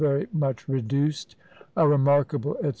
very much reduced," a remarkable &c.